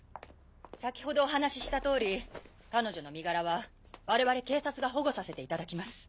先程お話しした通り彼女の身柄は我々警察が保護させていただきます。